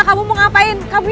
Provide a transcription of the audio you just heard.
kita ke dapatnya